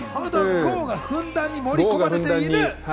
ふんだんに盛り込まれている。